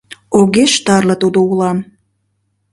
Огеш тарле тудо улам.